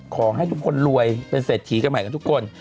ขอให้ทุกคนรวยเป็นเศรษฐีกันใหม่กับทุกคน